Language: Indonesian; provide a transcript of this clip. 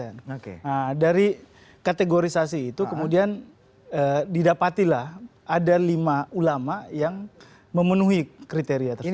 nah dari kategorisasi itu kemudian didapatilah ada lima ulama yang memenuhi kriteria tersebut